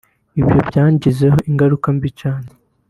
Ibyo byangizeho ingaruka mbi cyane